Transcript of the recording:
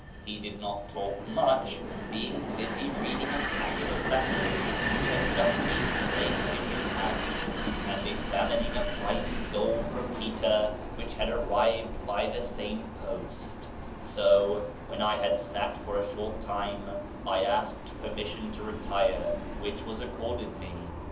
He did not talk much, being busy reading a packet of letters which had just been placed in his hands, and examining a fine gold repeater which had arrived by the same post ; so, wdien I had sat for a short time, I asked permission to retire — which was accorded me.